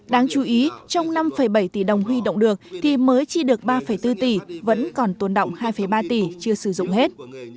đáng chú ý trong năm bảy tỷ đồng huy động được thì mới chi được ba bốn tỷ vẫn còn tồn động hai ba tỷ chưa sử dụng hết